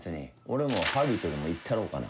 俺もハリウッドでも行ったろうかな。